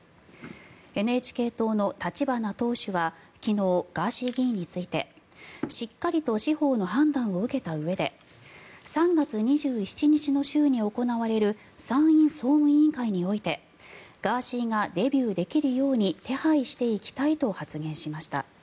ＮＨＫ党の立花党首は昨日ガーシー議員についてしっかりと司法の判断を受けたうえで３月２７日の週に行われる参院総務委員会においてガーシーがデビューできるように手配していきたいと発言しました。